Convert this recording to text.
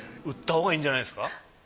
売ったほうがいいんじゃないですか？